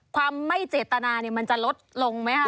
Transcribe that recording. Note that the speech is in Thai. ความไม่เจตนามันจะลดลงไหมคะ